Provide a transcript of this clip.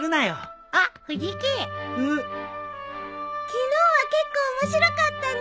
昨日は結構面白かったね。